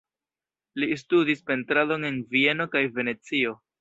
Li studis pentradon en Vieno kaj Venecio.